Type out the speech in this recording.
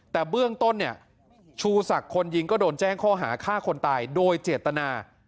แต่เบื้องต้นเนี่ยชูศักดิ์คนยิงก็โดนแจ้งข้อหาฆ่าคนตายโดยเจตนา